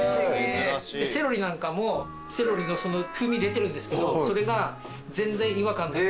セロリなんかもセロリの風味出てるんですけどそれが全然違和感なく。